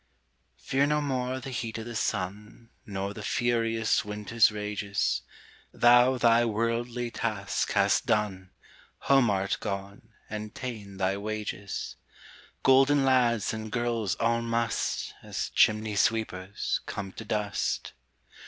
Fear no more the heat o' the sun, Nor the furious winter's rages; Thou thy worldly task hast done, Home art gone, and ta'en thy wages: Golden lads and girls all must, As chimney sweepers, come to dust.